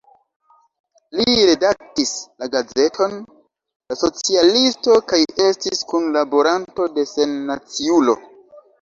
Li redaktis la gazeton "La Socialisto" kaj estis kunlaboranto de "Sennaciulo.